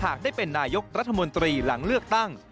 ได้เป็นนายกรัฐมนตรีหลังเลือกตั้ง